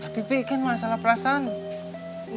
tapi pi kan masalah perasaan